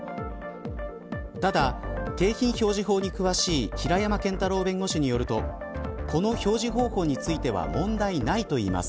ただ、景品表示法に詳しい平山賢太郎弁護士によるとこの表示方法については問題ないといいます。